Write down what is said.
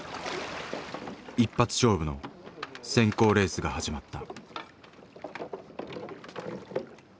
一発勝負の選考レースが始まった。